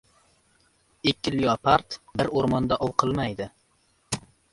• Ikki leopard bir o‘rmonda ov qilmaydi.